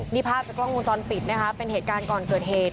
นี่ภาพจากกล้องวงจรปิดนะคะเป็นเหตุการณ์ก่อนเกิดเหตุ